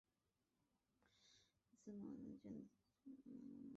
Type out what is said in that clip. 网纹马勃通常透过表面纹理的差异可和其他类似的马勃菌作区别。